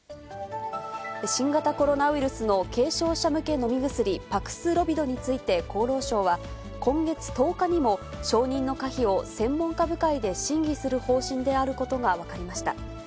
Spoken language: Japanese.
新型コロナウイルスの軽症者向け飲み薬、パクスロビドについて厚労省は、今月１０日にも承認の可否を専門家部会で審議する方針であることが分かりました。